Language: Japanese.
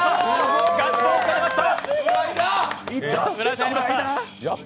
ガッツポーズが出ました！